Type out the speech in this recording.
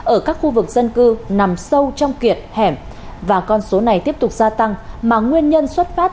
ở các khu vực dân cư nằm sâu trong kiệt hẻm và con số này tiếp tục gia tăng mà nguyên nhân xuất phát